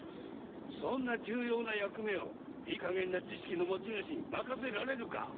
そんな重要な役目をいい加減な知識の持ち主に任せられるか！